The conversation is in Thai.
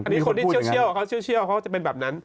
มีคนก็พูดอย่างนั้น